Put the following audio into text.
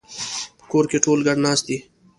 په کور کې ټول ګډ ناست دي